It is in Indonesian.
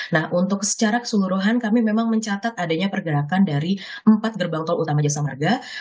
nah untuk secara keseluruhan kami memang mencatat adanya pergerakan dari empat gerbang tol utama jasa marga